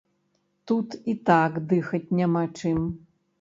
Тут і так дыхаць няма чым!